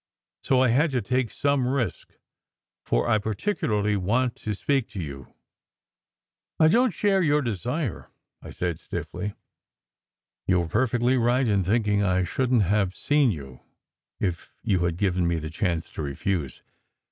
So I had to take some risk, for I particularly want to speak to you." "I don t share your desire," I said stiffly. "You were perfectly right in thinking I shouldn t have seen you if you had given me the chance to refuse.